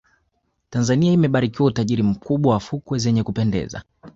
tanzania imebarikiwa utajiri mkubwa wa fukwe zenye kupendeza